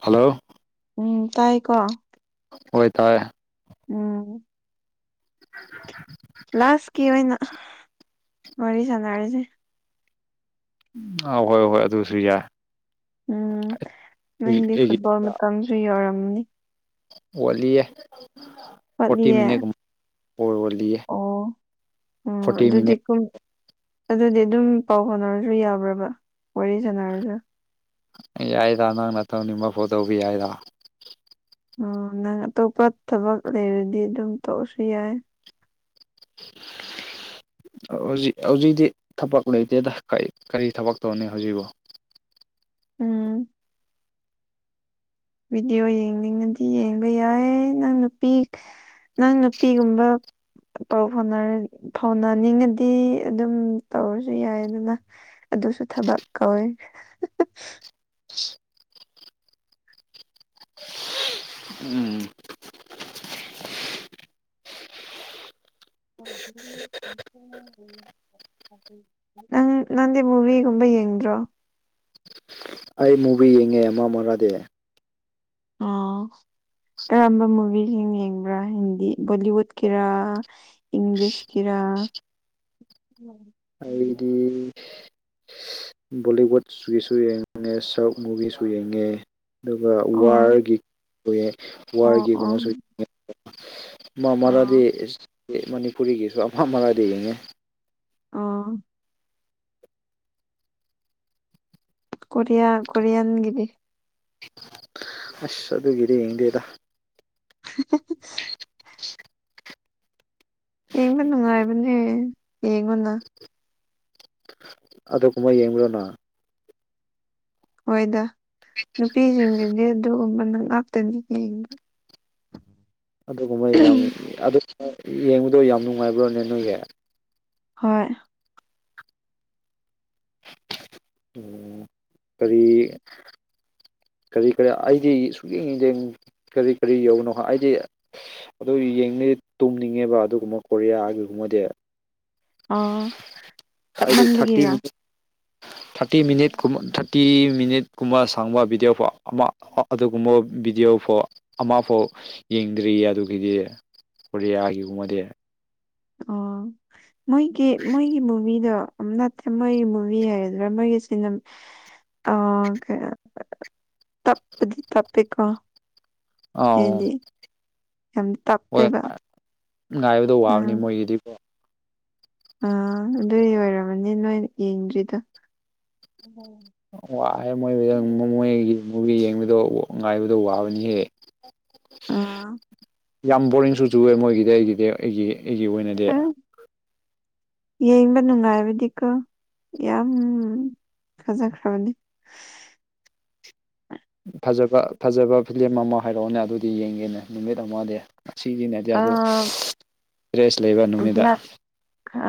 Hello ꯎꯝ ꯇꯥꯏ ꯀꯣ ꯍꯣꯏ ꯇꯥꯏꯑꯦ ꯎꯝ [unintelligible] ꯂꯥꯁꯀꯤ ꯑꯣꯏꯅ ꯋꯥꯔꯤ ꯁꯥꯟꯅꯔꯤꯁꯦ ꯑꯥ ꯍꯣꯏ ꯍꯣꯏ ꯑꯗꯨꯁꯨ ꯌꯥꯏ ꯎꯝ ꯑꯩ ꯅꯪꯗꯤ ꯑꯩꯒꯤ ꯐꯨꯠꯕꯣꯜ ꯃꯇꯝꯁꯨ ꯌꯧꯔꯝꯅꯤ ꯋꯥꯂꯤꯌꯦ ꯐꯣꯔꯇꯤ ꯋꯥꯠꯂꯤꯌꯦ ꯃꯤꯅꯤꯠꯂꯤꯌꯦ ꯑꯣ ꯎꯝ ꯑꯗꯨꯗꯤꯈꯣ ꯑꯗꯨꯗꯤ ꯑꯗꯨꯝ ꯄꯥꯎ ꯐꯥꯎꯅꯔꯁꯨ ꯌꯥꯕ꯭ꯔꯕ ꯋꯥꯔꯤ ꯁꯥꯟꯅꯔꯒ ꯌꯥꯏꯗ ꯅꯪꯅ ꯇꯧꯅꯤꯡꯕ ꯀꯣꯜ ꯇꯧꯕ ꯌꯥꯏꯗ ꯎꯝ ꯅꯪ ꯑꯇꯣꯞꯄ ꯊꯕꯛ ꯂꯩꯔꯗꯤ ꯑꯗꯨꯝ ꯇꯧꯔꯁꯨ ꯌꯥꯏ [inaudible] ꯍꯧꯖꯤꯛ ꯍꯧꯖꯤꯛꯇꯤ ꯊꯕꯛ ꯂꯩꯇꯦꯗ ꯀꯔꯤ ꯊꯕꯛ ꯇꯧꯅꯤ ꯍꯧꯖꯤꯛꯕꯨ ꯎꯝ ꯚꯗꯤꯑꯣ ꯌꯦꯡꯅꯤꯡꯉꯗꯤ ꯌꯦꯡꯕ ꯌꯥꯏ ꯅꯪ ꯅꯨꯄꯤ ꯅꯪ ꯅꯨꯄꯤꯒꯨꯝꯕ ꯄꯥꯎ ꯐꯥꯎꯅ ꯐꯥꯎꯅꯅꯤꯡꯉꯗꯤ ꯑꯗꯨꯝ ꯇꯧꯔꯁꯨ ꯌꯥꯏ ꯑꯗꯨꯅ ꯑꯗꯨꯁꯨ ꯊꯕꯛ ꯀꯧꯋꯦ ꯎꯝ [unintelligible] ꯅꯪ ꯅꯪꯗꯤ ꯃꯨꯕꯤꯒꯨꯝꯕ ꯌꯦꯡꯗ꯭ꯔꯣ ꯑꯩ ꯃꯨꯚꯤ ꯌꯦꯡꯉꯦ ꯑꯃ ꯑꯃꯔꯗꯤ ꯑ ꯀꯔꯝꯕ ꯃꯨꯚꯤꯁꯤꯡ ꯌꯦꯡꯕ꯭ꯔꯥ ꯍꯤꯟꯗꯤ ꯕꯣꯂꯤꯋꯨꯠꯀꯤꯔꯥ ꯏꯪꯂꯤꯁ ꯀꯤꯔ ꯑꯩꯗꯤ ꯕꯣꯂꯤꯋꯨꯠꯀꯤꯁꯨ ꯌꯦꯡꯉꯦ ꯁ꯭ꯋꯥꯠ ꯃꯨꯚꯤꯁꯨ ꯌꯦꯡꯉꯦ ꯑꯗꯨꯒ ꯑꯣ ꯋꯥꯔꯒꯤ ꯑꯣꯏꯌꯦ ꯑꯣ ꯑꯣ ꯋꯥꯔꯒꯤꯒꯨꯝꯕꯁꯨ ꯑꯃ ꯃꯔꯥꯗꯤ ꯑꯥ ꯃꯅꯤꯄꯨꯔꯤꯒꯤꯁꯨ ꯑꯃ ꯃꯔꯥꯗꯤ ꯌꯦꯡꯉꯦ ꯑꯥ ꯀꯣꯔꯤꯌꯥ ꯀꯣꯔꯤꯌꯥꯟꯒꯤꯗꯤ ꯑꯁ ꯑꯗꯨꯒ ꯒꯤꯗꯤ ꯌꯦꯡꯗꯦꯗ ꯍ [unintelligible] ꯌꯦꯡꯕ ꯅꯨꯡꯉꯥꯏꯕꯅꯦ ꯌꯦꯡꯉꯨꯅ ꯑꯗꯨꯒꯨꯝꯕ ꯌꯦꯡꯕ꯭ꯔꯣ ꯅꯪ ꯍꯣꯏꯗ ꯅꯨꯄꯤꯁꯤꯡꯁꯤꯗꯤ ꯑꯗꯨꯒꯨꯝꯕꯅ ꯉꯥꯛꯇꯅꯤ ꯌꯦꯡꯕ ꯑꯗꯨꯒꯨꯝꯕ ꯌꯥꯝ ꯌꯦꯡꯕꯗꯣ ꯌꯥꯝ ꯅꯨꯡꯉꯥꯏꯕ꯭ꯔꯣꯅꯦ ꯅꯣꯏꯒꯤ ꯍꯣꯏ ꯑꯣ ꯀꯔꯤ ꯀꯔꯤ ꯀꯔꯤ ꯑꯩꯗꯤ ꯁꯨꯛꯌꯦꯡ ꯌꯦꯗꯦ ꯀꯔꯤ ꯀꯔꯤ ꯌꯥꯎꯕꯅꯣ ꯑꯩꯗꯤ ꯑꯗꯨ ꯌꯦꯡꯅ ꯇꯨꯝꯅꯤꯡꯉꯦꯕ ꯑꯗꯨꯒꯨꯝꯕ ꯀꯣꯔꯤꯌꯥꯒꯤꯒꯨꯝꯕꯗꯤ ꯑ ꯑꯩꯗꯤ ꯇꯞꯃꯟꯕꯒꯤꯔ ꯊꯥꯔꯇꯤ ꯃꯤꯅꯤꯠ ꯀꯨꯃ ꯊꯥꯔꯇꯤ ꯃꯤꯅꯤꯠ ꯀꯨꯨꯝꯕ ꯁꯥꯡꯕ ꯚꯤꯗꯤꯑꯣꯐꯥꯎ ꯑꯃ ꯑꯗꯨꯒꯨꯝꯕ ꯚꯤꯗꯤꯑꯣꯐꯥꯎ ꯑꯃꯐꯥꯎ ꯌꯦꯡꯗ꯭ꯔꯤꯌꯦ ꯑꯗꯨꯒꯤꯗꯤ ꯀꯣꯔꯤꯌꯥꯒꯤꯒꯨꯝꯕꯗꯤ ꯑꯣ ꯃꯣꯏꯒꯤ ꯃꯣꯏꯒꯤ ꯃꯨꯚꯤꯗꯣ ꯑ ꯅꯠꯇꯦ ꯃꯣꯏꯒꯤ ꯃꯨꯚꯤ ꯍꯥꯏꯗ꯭ꯔꯥ ꯃꯣꯏꯒꯤ ꯁꯤ ꯑ ꯇꯞꯄꯗꯤ ꯇꯞꯄꯦ ꯀꯣ ꯑꯥꯎ ꯍꯥꯏꯗꯤ ꯌꯥꯝ ꯍꯣꯏ ꯇꯞꯄꯦꯕ ꯉꯥꯏꯕꯗꯣ ꯋꯥꯕꯅꯤ ꯃꯣꯏꯒꯤꯗꯤ ꯑꯥ ꯑꯗꯨꯏ ꯑꯣꯏꯔꯝꯃꯅꯤ ꯅꯣꯏ ꯌꯦꯡꯗ꯭ꯔꯤꯗꯣ ꯋꯥꯍꯦ ꯃꯣꯏ ꯃ ꯃꯣꯏꯒꯤ ꯃꯨꯚꯤ ꯌꯦꯡꯕꯗꯣ ꯉꯥꯏꯕꯗꯣ ꯋꯥꯕꯅꯤꯍꯦ ꯑꯥ ꯌꯥꯝ ꯕꯣꯔꯤꯡꯁꯨ ꯆꯨꯋꯦ ꯃꯣꯏꯒꯤꯗꯤ ꯑꯩꯒꯤꯗꯤ ꯑꯩꯒꯤ ꯑꯩꯒꯤ ꯑꯣꯏꯅꯗꯤ ꯎꯝ ꯌꯦꯡꯕ ꯅꯨꯡꯉꯥꯏꯕꯗꯤꯀꯣ ꯌꯥꯝ ꯐꯖꯈ꯭ꯔꯕꯅꯦ ꯐꯖꯕ ꯐꯖꯕ ꯐꯤꯂꯝ ꯑꯃ ꯍꯥꯏꯔꯛꯑꯣꯅꯦ ꯑꯗꯨꯗꯤ ꯌꯦꯡꯒꯦꯅꯦ ꯅꯨꯃꯤꯠ ꯑꯃꯗꯤ ꯑꯁꯤꯁꯤꯅꯦꯗꯤ ꯑ ꯑꯣ ꯗ꯭ꯔꯦꯁ ꯂꯩꯕ ꯅꯨꯃꯤꯠꯇ ꯕ꯭ꯂꯦꯛ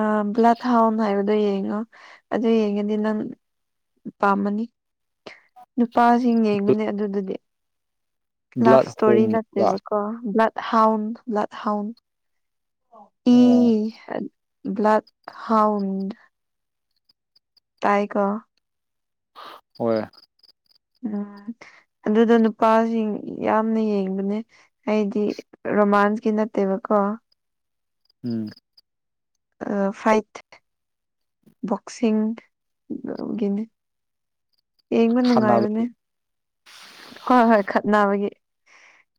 ꯑ ꯕ꯭ꯂꯠ ꯍꯥꯎꯟ ꯍꯥꯏꯕꯗꯣ ꯌꯦꯡꯉꯣ ꯑꯗꯨ ꯌꯦꯡꯉꯗꯤ ꯅꯪ ꯄꯥꯝꯃꯅꯤ ꯅꯨꯄꯥꯁꯤꯡ ꯌꯦꯡꯕꯅꯦ ꯑꯗꯨꯗꯗꯤ꯫ ꯂꯚ ꯕ꯭ꯂꯠ ꯁꯇꯣꯔꯤ ꯍꯣꯝꯕ ꯅꯠꯇꯦꯕꯀꯣ꯫ ꯑ ꯕ꯭ꯂꯠ ꯍꯥꯎꯟ ꯕ꯭ꯂꯠ ꯍꯥꯎꯟ ꯏ꯫ ꯑꯣ ꯕ꯭ꯂ ꯍꯥꯎꯟ꯫ ꯇꯥꯏꯀꯣ꯫ ꯍꯣꯏ꯫ ꯎꯝ ꯑꯗꯨꯗ ꯅꯨꯄꯥꯁꯤꯡ ꯌꯥꯝꯅ ꯌꯦꯡꯕꯅꯦ ꯑꯩꯗꯤ ꯔꯣꯃꯥꯟꯁꯀꯤ ꯅꯠꯇꯦꯕꯀꯣ ꯎꯝ ꯑ ꯐꯥꯏꯠ ꯕꯣꯛꯁꯤꯡ ꯒꯤꯅꯦ ꯌꯦꯡꯕ ꯈꯟꯅꯕ ꯅꯨꯡꯉꯥꯏꯕꯅꯦ ꯍꯣꯏ ꯍꯣꯏ ꯈꯠꯅꯕꯒꯤ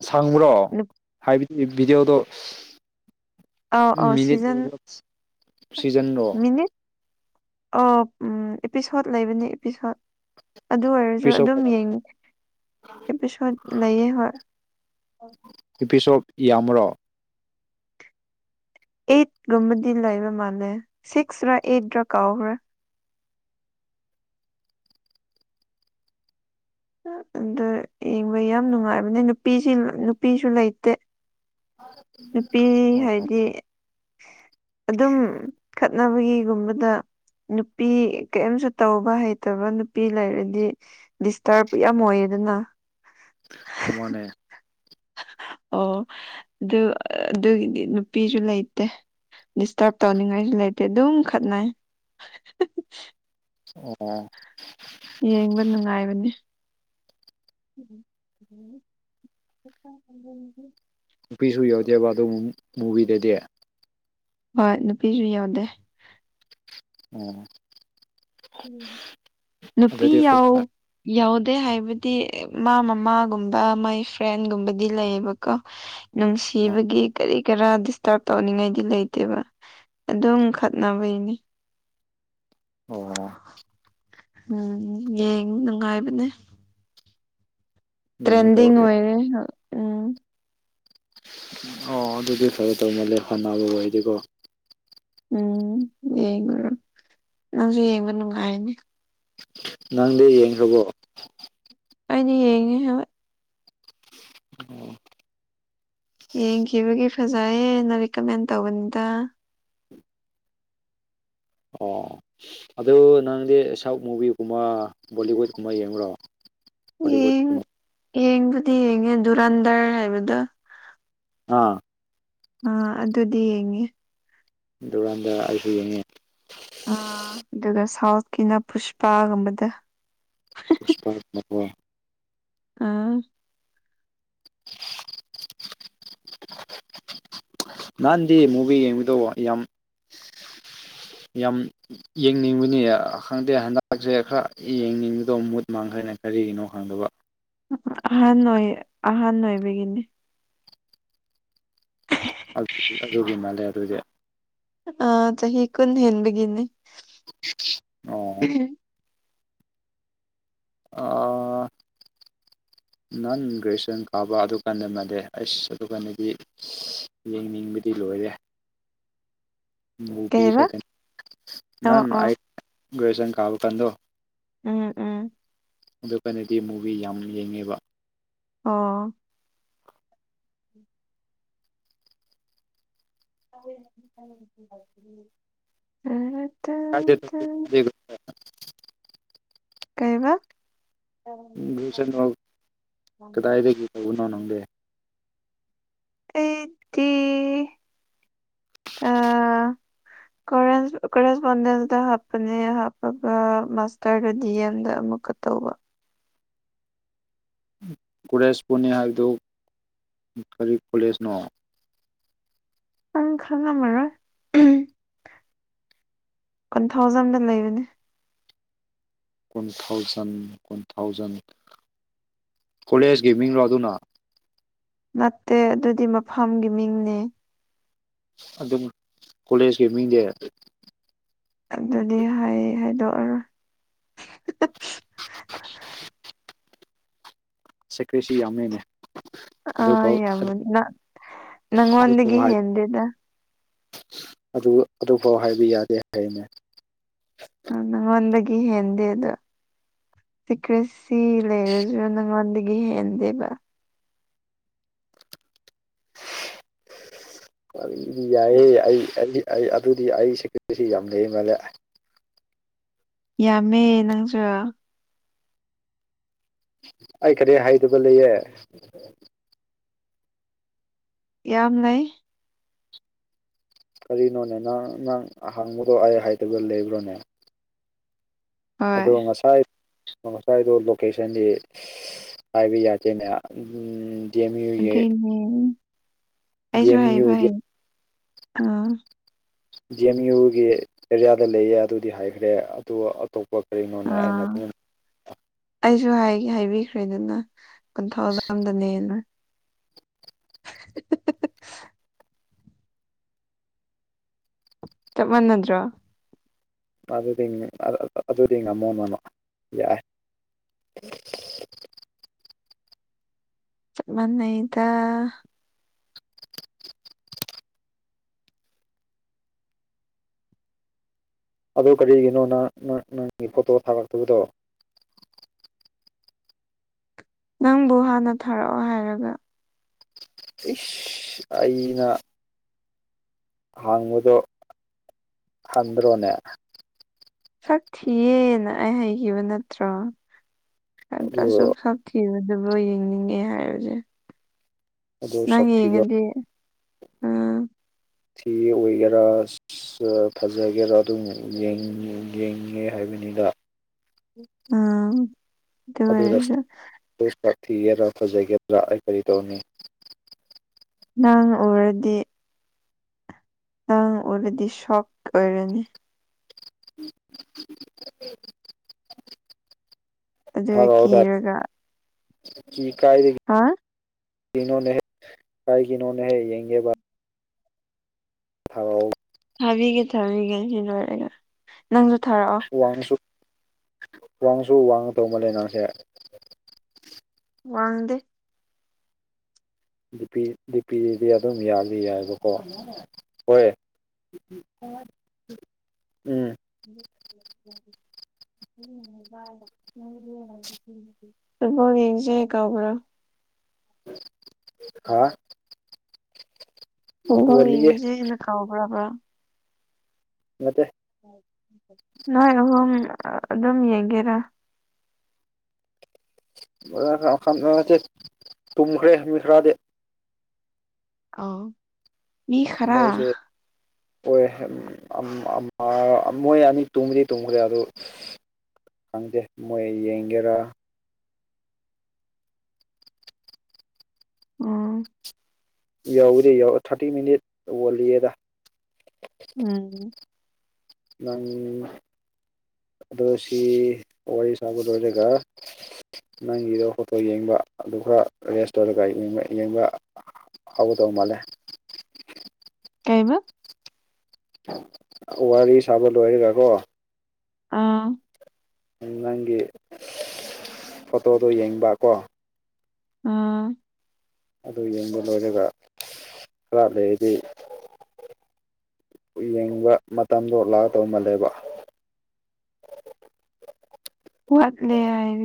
ꯁꯥꯡꯕ꯭ꯔꯣ ꯍꯥꯏꯕꯗꯤ ꯚꯤꯗꯤꯑꯣꯗꯣ꯫ ꯑꯧ ꯑꯧ ꯃꯤꯅꯤꯠ ꯁꯤꯖꯟ ꯁꯤꯖꯟꯂꯣ꯫ ꯃꯤꯅꯤꯠ ꯑꯣ ꯎꯝ ꯑꯦꯄꯤꯁꯣꯠ ꯂꯩꯕꯅꯤ ꯑꯦꯄꯤꯁꯣꯠ ꯑꯗꯨ ꯑꯣꯏꯔꯁꯨ ꯏꯄꯤꯁꯣꯠ ꯑꯗꯨꯝ ꯌꯦꯡ꯫ ꯑꯄꯤꯁꯣꯠ ꯂꯩꯌꯦ ꯍꯣꯏ꯫ ꯑꯄꯤꯁꯣꯠ ꯌꯥꯝꯕꯔꯣ꯫ ꯑꯦꯠ ꯀꯨꯝꯕꯗꯤ ꯂꯩꯕ ꯃꯥꯜꯂꯦ ꯁꯤꯛꯁꯔꯥ ꯑꯦꯠꯔꯥ ꯀꯥꯎꯒꯔ꯭ꯦ꯫ ꯑꯗꯨ ꯌꯦꯡꯕ ꯌꯥꯝ ꯅꯨꯡꯉꯥꯏꯕꯅꯦ ꯅꯨꯄꯤꯁꯤ ꯅꯨꯄꯤꯁꯨ ꯂꯩꯇꯦ꯫ ꯅꯨꯄꯤ ꯑꯣ ꯍꯥꯏꯗꯤ꯫ ꯑꯗꯨꯝ ꯈꯠꯅꯕꯒꯤꯒꯨꯝꯕꯗ꯫ ꯅꯨꯄꯤ ꯀꯔꯤꯝꯁꯨ ꯇꯧꯕ ꯍꯩꯇꯕ ꯅꯨꯄꯤ ꯂꯩꯔꯗꯤ꯫ ꯇꯔ ꯌꯥꯝ ꯑꯣꯏꯌꯦꯗꯅ꯫ ꯃꯥꯅꯦ꯫ ꯑꯣ ꯑꯗꯨ ꯑꯗꯨꯒꯤꯗꯤ ꯅꯨꯄꯤꯁꯨ ꯂꯩꯇꯦ꯫ ꯗꯤꯁꯇꯔꯕ ꯇꯧꯅꯤꯡꯉꯥꯏꯁꯨ ꯂꯩꯇꯦ ꯑꯗꯨꯝ ꯈꯠꯅꯩ꯫ ꯑꯣ꯫ ꯌꯦꯡꯕ ꯅꯨꯡꯉꯥꯏꯕꯅꯦ꯫ [inaudible] ꯅꯨꯄꯤꯁꯨ ꯌꯥꯎꯗꯦꯕ ꯑꯗꯨ ꯃꯣꯚꯤꯗꯗꯤ꯫ ꯍꯣꯏ ꯅꯨꯄꯤꯁꯨ ꯌꯥꯎꯗꯦ꯫ ꯎꯝ꯫ ꯅꯨꯄꯤ ꯑꯗꯨꯗꯤ ꯌꯥꯎ꯫ ꯐꯖꯅ ꯌꯥꯎꯗꯦ ꯍꯥꯏꯕꯗꯤ ꯃꯥ ꯃꯃꯥꯒꯨꯝꯕ ꯃꯥꯏ ꯐ꯭ꯔꯦꯟꯒꯨꯝꯕꯗꯤ ꯂꯩꯌꯦꯕꯀꯣ꯫ ꯅꯨꯡꯁꯤꯕꯒꯤ ꯀꯔꯤ ꯀꯔꯥ꯫ ꯇꯔꯕ ꯇꯧꯅꯤꯡꯉꯥꯏꯗꯤ ꯂꯩꯇꯦꯕ ꯑꯗꯨꯝ ꯈꯠꯅꯕꯩꯅꯦ꯫ ꯑꯣ ꯎꯝ ꯌꯦꯡ ꯅꯨꯡꯉꯥꯏꯕꯅꯦ꯫ ꯌꯦꯡꯉ ꯇꯧ ꯇ꯭ꯔꯦꯟꯗꯤꯡ ꯑꯣꯏꯔꯦ꯫ ꯎꯝ ꯑꯣ ꯑꯗꯨꯗꯤ ꯈꯔꯦ ꯇꯧꯃꯜ ꯂꯦ ꯐꯅꯅꯕ ꯑꯣꯏꯗꯤꯀꯣ꯫ ꯎꯝ ꯌꯦꯡꯉꯨꯔꯣ ꯅꯪꯁꯨ ꯌꯦꯡꯕ ꯅꯨꯡꯉꯥꯏꯅꯤ꯫ ꯅꯪꯗꯤ ꯌꯦꯡꯈ꯭ꯔꯕꯣ ꯑꯩꯅꯥ ꯌꯦꯡꯉꯦ ꯍꯣꯏ ꯑ꯫ ꯌꯦꯡꯈꯤꯕꯒꯤ ꯐꯖꯩꯌꯦꯅ ꯔꯤꯀꯃꯦꯟ ꯇꯧꯕꯅꯤꯗ꯫ ꯑꯣ ꯑꯗꯨ ꯅꯪꯗꯤ ꯁꯥꯎꯠ ꯃꯨꯚꯤꯒꯨꯝꯕ ꯕꯣꯂꯤꯋꯨꯠꯀꯨꯝꯕ ꯌꯦꯡꯕꯔꯣ꯫ ꯌꯦꯡ ꯌꯦꯡꯕꯨꯗꯤ ꯌꯦꯡꯉꯦ ꯗꯨꯨꯔꯟꯗꯔ ꯍꯥꯏꯕꯗꯣ꯫ ꯑꯥ꯫ ꯑ ꯑꯗꯨꯗꯤ ꯌꯦꯡꯉꯦ꯫ ꯗꯨꯔꯥꯟꯗꯔ ꯑꯩꯁꯨ ꯌꯦꯡ ꯑꯥ ꯑ ꯑꯗꯨꯒ ꯁꯥꯎꯠꯀꯤꯅ ꯄꯨꯁꯄꯥꯒꯨꯝꯕꯗ꯫ [unintelligible] ꯑꯥ [inaudible] ꯅꯥꯟꯗꯤ ꯃꯨꯕꯤ ꯌꯦꯡꯉꯗꯣ ꯌꯥꯝ ꯌꯥꯝ ꯌꯦꯡꯅꯤꯡꯕꯅꯤ ꯈꯪꯗꯦ ꯍꯟꯗꯛꯁꯦ ꯈꯔ ꯌꯦꯡꯅꯤꯡꯕꯗꯣ ꯃꯨꯠ ꯃꯥꯡꯈꯔ꯭ꯦꯅꯦ ꯀꯔꯤꯒꯤꯅꯣ ꯈꯪꯗꯕ ꯑꯍꯟ ꯑꯣꯏꯌꯦ ꯑꯍꯟ ꯑꯣꯏꯕꯒꯤꯅꯦ ꯑꯗꯨ ꯑꯗꯨꯒꯤ ꯃꯥꯜꯂꯦ ꯑꯗꯨꯗꯤ꯫ ꯑ ꯆꯍꯤ ꯀꯨꯟ ꯍꯦꯟꯕꯒꯤꯅꯦ꯫ ꯑꯣ ꯑꯥ꯫ [inaudible] ꯅꯍꯥꯟ ꯒ꯭ꯔꯦꯖꯨꯑꯦꯁꯟ ꯀꯥꯕ ꯑꯗꯨ ꯀꯥꯟꯗ ꯃꯥꯜꯗꯦ ꯑꯩꯁ ꯑꯗꯨꯀꯥꯟꯗꯗꯤ꯫ ꯌꯦꯡꯅꯤꯡꯕꯗꯤ ꯂꯣꯏꯔꯦ꯫ ꯀꯩꯕ ꯑꯣ ꯅꯍꯥꯟ ꯑꯣ ꯑꯩ ꯒꯔ꯭ꯦꯖꯨꯑꯁꯟ ꯀꯥꯕ ꯀꯟꯗꯣ꯫ ꯎꯝ ꯎꯝ ꯑꯗꯨ ꯀꯅꯗꯤ ꯃꯨꯚꯤ ꯌꯥꯝ ꯌꯦꯡꯉꯦꯕ ꯑꯣ [inaudible] [unintelligible] [unintelligible] ꯀꯩꯕ ꯒ꯭ꯔꯦꯖꯨꯋꯦꯁꯟ [unintelligible] ꯑꯦꯗꯤ ꯑ ꯀꯣꯔꯦꯁꯄꯣꯟꯗꯦꯟꯁꯇ ꯍꯥꯞꯄꯅꯦ ꯍꯥꯞꯄꯒ ꯃꯥꯁꯇꯔꯗ ꯗꯤ ꯑꯦꯝꯗ ꯑꯃꯨꯛꯀ ꯇꯧꯕ ꯀꯂꯦꯖꯄꯨꯅꯤ ꯍꯥꯏꯕꯗꯨ ꯀꯔꯤ ꯀꯣꯂꯦꯖꯅꯣ ꯅꯪ ꯈꯪꯉꯝꯃꯔꯣꯏ ꯀꯣꯟꯊꯧꯖꯝꯗ ꯂꯩꯕꯅꯦ ꯀꯨꯟ ꯊꯥꯎꯖꯟ ꯀꯨꯟ ꯊꯥꯎꯖꯟ ꯀꯣꯂꯦꯖꯀꯤ ꯃꯤꯡꯔꯣ ꯑꯗꯨꯅ ꯅꯠꯇꯦ ꯑꯗꯨꯗꯤ ꯃꯐꯝꯒꯤ ꯃꯤꯡꯅꯦ ꯑꯗꯨꯝ ꯀꯣꯂꯦꯖꯀꯤ ꯃꯤꯡꯁꯦ ꯑꯗꯨꯗꯤ ꯍꯥꯏ ꯍꯥꯏꯗꯣꯛꯑꯔꯣꯏ ꯁꯦꯀ꯭ꯔꯦꯁꯤ ꯌꯥꯝꯃꯦꯅꯦ ꯑ ꯑꯗꯨꯐꯥꯎ ꯌꯃꯅꯤ ꯅ ꯑꯗꯨꯐꯥꯎ ꯅꯥꯉꯣꯟꯗꯒꯤ ꯍꯦꯟꯟꯗꯗ ꯑꯗꯨ ꯑꯗꯨꯐꯥꯎ ꯍꯥꯏꯕ ꯌꯥꯗꯦ ꯍꯥꯏꯅꯦ ꯅꯪꯟꯗꯒꯤ ꯍꯗꯦ ꯑꯗꯨ ꯁꯤꯀ꯭ꯔꯦꯁꯤ ꯂꯩꯔꯁꯨ ꯅꯪꯉꯣꯟꯗꯒꯤ ꯍꯦꯟꯗꯦꯕ ꯑꯗꯨꯗꯤ ꯌꯥꯏꯍꯦ ꯑꯩ ꯑꯩ ꯑꯩ ꯑꯗꯨꯗꯤ ꯑꯩ ꯁꯦꯀ꯭ꯌꯨꯔꯤꯁꯤ ꯌꯥꯝ ꯂꯩ ꯃꯥꯂꯦ ꯌꯥꯝꯃꯦ ꯅꯪꯁꯨ ꯑꯩ ꯀꯔꯤ ꯍꯥꯏꯗꯕ ꯂꯩꯌꯦ ꯌꯥꯝ ꯂꯩ ꯀꯔꯤꯅꯣꯅꯦ ꯅꯪ ꯅꯪ ꯑꯍꯥꯡꯕꯗꯣ ꯑꯩ ꯍꯥꯏꯗꯒ ꯂꯩꯕ꯭ꯔꯣꯅꯦ ꯍꯣꯏ ꯑꯗꯣ ꯉꯁꯥꯏ ꯉꯁꯥꯏꯗꯣ ꯂꯣꯀꯦꯁꯟꯗꯤ ꯍꯥꯏꯕ ꯌꯥꯗꯦꯅꯦ ꯗꯤ ꯑꯦꯝ ꯌꯨꯒꯤ ꯅꯦ ꯗꯤ ꯑꯩꯁꯨ ꯑꯦꯝ ꯌꯨ ꯍꯥꯏꯥꯏꯕ ꯑꯥ ꯗꯤ ꯑꯦꯝ ꯌꯨꯒꯤ ꯑꯦꯔꯤꯌꯥꯗ ꯂꯩꯌꯦ ꯑꯗꯨꯗꯤ ꯍꯥꯏꯈ꯭ꯔꯦ ꯑꯗꯨ ꯑꯇꯣꯞꯄ ꯀꯔꯤꯅꯣꯅꯦ ꯑꯩꯅ ꯑꯥ ꯐꯖ ꯑꯩꯁꯨ ꯍꯥꯏꯗꯤ ꯍꯥꯏꯕꯤꯈ꯭ꯔꯦꯗꯅ ꯀꯣꯟꯊꯧꯖꯝꯗꯅꯦꯅ [inaudible] ꯆꯞ ꯃꯥꯟꯅꯗ꯭ꯔꯣ ꯑꯗꯨꯗꯤ ꯑꯗꯨꯗꯤ ꯉꯝꯃꯣꯅꯅ ꯌꯥꯏ [unintelligible] ꯆꯞ ꯃꯅꯩꯗ ꯑꯗꯨ ꯀꯔꯤꯒꯤꯅꯣ ꯅꯪ ꯅꯪꯒꯤ ꯐꯣꯇꯣ ꯊꯥꯔꯛꯇꯕꯗꯣ ꯅꯪꯕꯨ ꯍꯥꯟꯅ ꯊꯥꯔꯛꯑꯣ ꯍꯥꯏꯔꯒ ꯏꯁ ꯑꯩꯅ ꯍꯥꯡꯕꯗꯣ ꯍꯪꯗ꯭ꯔꯣꯅꯦ ꯁꯛ ꯊꯤꯌꯦꯅ ꯑꯩ ꯍꯩꯈꯤꯕ ꯅꯠꯇ꯭ꯔꯣ ꯑꯗꯨ ꯑꯗꯨꯁꯨꯛ ꯊꯤꯕꯗꯨꯕꯨ ꯌꯦꯡꯅꯤꯡꯉꯦ ꯍꯥꯏꯕꯁꯦ ꯑꯗꯨ ꯅꯪ ꯁꯛꯊꯤꯕ ꯌꯦꯉꯗꯤ ꯎꯝ ꯊ ꯑꯣꯏꯒꯦꯔꯥ ꯑꯁ ꯐꯖꯒꯦꯔ ꯑꯗꯨꯝ ꯌꯦꯡꯉꯦ ꯍꯥꯏꯕꯅꯤꯗ ꯎꯝ ꯑꯗꯨ ꯑꯣꯏꯔꯁꯨ ꯊꯤꯒꯦꯔꯥ ꯐꯖꯒꯦꯔꯥ ꯑꯩ ꯀꯔꯤ ꯇꯧꯅꯤ ꯅꯪ ꯎꯔꯗꯤ ꯑꯪ ꯑꯣꯏꯔꯗꯤ ꯁꯛ ꯑꯣꯏꯔꯅꯤ [inaudible] ꯑꯗꯨ ꯀꯤꯔꯒ ꯀꯥꯏ ꯍꯥ ꯀꯣꯅꯦ ꯀꯥꯏ ꯀꯅꯍꯣꯅꯦ ꯍꯥꯏ ꯌꯦꯡꯦ ꯊꯥꯔꯛꯑꯣ ꯊꯥꯕꯤꯒꯦ ꯊꯥꯕꯤꯒꯦ ꯁꯤ ꯂꯣꯏꯔꯒ ꯅꯪꯁꯨ ꯊꯥꯔꯛꯑꯣ ꯋꯥꯡꯁꯨ ꯋꯥꯡꯁꯨ ꯋꯥꯡ ꯇꯧꯕ ꯅꯪꯁꯦ ꯋꯥꯡꯗꯦ ꯅꯨꯄꯤ ꯅꯨꯄꯤꯗꯗꯤ ꯑꯗꯨꯝ ꯌꯥꯗꯤ ꯌꯥꯏꯌꯦꯕꯀꯣ ꯍꯣꯏ ꯎꯝ [inaudible] ꯐꯨꯠꯕꯣꯜ ꯌꯦꯡꯏꯁꯦ ꯀꯥꯎꯕ꯭ꯔꯥ ꯍꯥ ꯐꯨꯠꯕꯣꯜ ꯑꯣꯜꯂꯤꯌꯦ ꯌꯦꯡꯁꯦꯅ ꯀꯧꯕ꯭ꯔꯕ꯭ꯔ ꯅꯠꯇꯦ ꯅꯣꯏ ꯑꯍꯨꯝ ꯑꯗꯨꯝ ꯌꯦꯡꯒꯦꯔ [unintelligible] ꯇꯨꯝꯈ꯭ꯔꯦ ꯃꯤ ꯈꯔꯗꯤ ꯑꯣ ꯃꯤ ꯈꯔ ꯃꯣꯏꯁꯦ ꯑꯣꯏ ꯑꯝ ꯑꯃ ꯃꯣꯏ ꯑꯅꯤ ꯇꯨꯝꯗꯤ ꯇꯨꯡꯈꯔꯦ ꯑꯗꯨ ꯈꯪꯗꯦ ꯃꯣꯏ ꯌꯦꯡꯒꯦꯔꯥ ꯑꯣ ꯌꯧꯎꯗꯔꯤ ꯌꯧ ꯊꯥꯔꯇꯤ ꯃꯤꯅꯤꯠ ꯋꯥꯠꯂꯤꯌꯦꯗ ꯎꯝ ꯅꯪ ꯑꯗꯣ ꯁꯤ ꯋꯥꯔꯤ ꯁꯥꯕ ꯂꯣꯏꯔꯒ ꯅꯪꯒꯤꯗꯣ ꯐꯣꯇꯣ ꯌꯦꯡꯕ ꯑꯗꯨꯒꯔꯦꯁ ꯇꯧꯔꯒ ꯌꯦꯡꯕ ꯌꯦꯡꯕ ꯍꯥꯎꯗꯧ ꯃꯥꯂꯦ ꯀꯩꯑꯕ ꯋꯥꯔꯤ ꯁꯥꯕ ꯂꯣꯏꯔꯒ ꯀꯣ ꯑꯥ ꯅꯪꯒꯤ ꯐꯣꯇꯣꯗꯣ ꯌꯦꯡꯕ ꯀꯣ ꯎꯝ ꯑꯗꯨ ꯌꯦꯡꯕ ꯂꯣꯏꯔꯒ ꯈꯔ ꯂꯩꯔꯗꯤ ꯌꯦꯡꯕ ꯃꯇꯝꯗꯣꯂꯥꯛꯑ ꯇꯧꯃꯜꯂꯦꯕ ꯍꯠꯂꯦ ꯍꯥꯏꯔꯤ